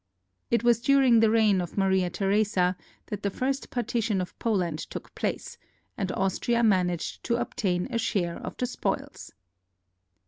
It was during the reign of Maria Theresa that the first partition of Poland took place, and Austria managed to obtain a share of the spoils.